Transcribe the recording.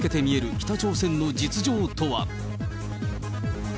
北朝鮮の実情とは。